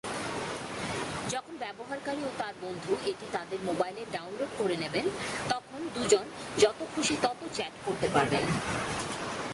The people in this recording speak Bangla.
যখন ব্যবহারকারী ও তার বন্ধু এটি তাদের মোবাইলে ডাউনলোড করে নেবেন, তখন দুজন যত খুশি তত চ্যাট করতে পারবেন।